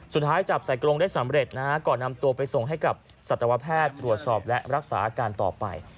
สุดท้ายจับใส่กรงได้สำเร็จนะฮะก่อนนำตัวไปส่งให้กับสัตวแพทย์ตรวจสอบและรักษาอาการต่อไป